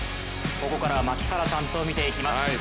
ここからは槙原さんとみていきます。